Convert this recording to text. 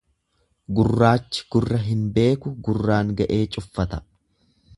Gurraachi gurra hin beeku gurraan ga'ee cuffata.